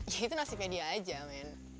ya itu nasibnya dia aja main